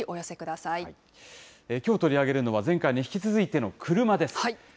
ぜきょう取り上げるのは、前回に引き続いてのクルマです。